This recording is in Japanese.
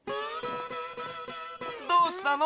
どうしたの？